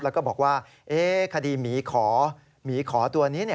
แล้วก็บอกว่าคดีหมีขอหมีขอตัวนี้